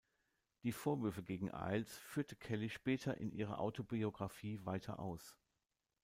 Die Vorwürfe gegen Ailes führte Kelly später in ihrer Autobiographie weiter aus.